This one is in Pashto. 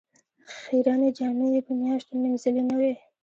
خیرنې جامې یې په میاشتو مینځلې نه وې.